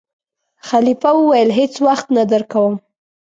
خلیفه وویل: هېڅ وخت نه درکووم.